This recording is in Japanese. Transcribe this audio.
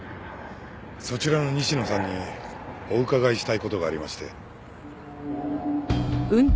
そちらの西野さんにお伺いしたい事がありまして。